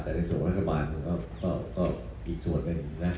แต่ในส่วนรัฐบาลมันก็อีกส่วนเป็นอีกนะ